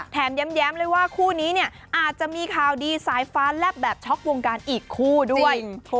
แย้มเลยว่าคู่นี้เนี่ยอาจจะมีข่าวดีสายฟ้าแลบแบบช็อกวงการอีกคู่ด้วย